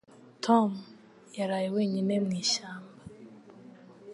Tom yaraye wenyine mu ishyamba